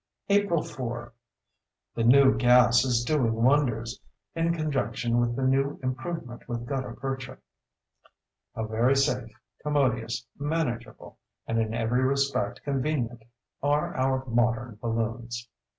April 4.—The new gas is doing wonders, in conjunction with the new improvement with gutta percha. How very safe, commodious, manageable, and in every respect convenient are our modern balloons!